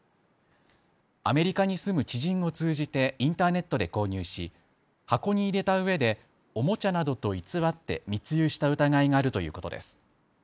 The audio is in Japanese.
アメリカに住む知人を通じてインターネットで購入し箱に入れたうえでおもちゃなどと偽って密輸した疑いがあるということです。